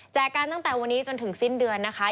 กันตั้งแต่วันนี้จนถึงสิ้นเดือนนะคะ